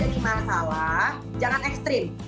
jadi masalah jangan ekstrim